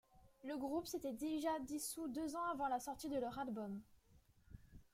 Le groupe s'était déjà dissous deux ans avant la sortie de leur album.